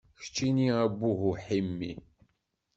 Keččini a Buḥu Ḥimi.